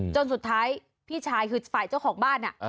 จนสุดท้ายพี่ชายคือฝ่ายเจ้าของบ้าน